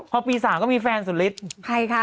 พอปี๓ก็มีแฟนสุฤทธิ์ใครคะ